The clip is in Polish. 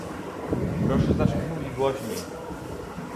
Proszę zacząć mówić głośniej